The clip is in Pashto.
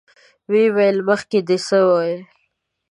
ويې ويل: مخکې دې څه ويل؟